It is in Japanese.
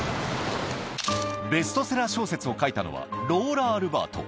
ベストセラー小説を書いたのは、ローラ・アルバート。